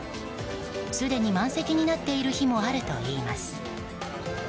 すでに満席になっている日もあるといいます。